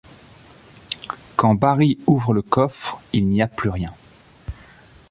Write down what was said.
Quand Barry ouvre le coffre, il n'y a plus rien.